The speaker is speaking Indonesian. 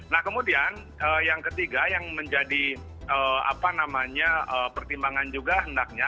nah kemudian yang ketiga yang menjadi pertimbangan juga hendaknya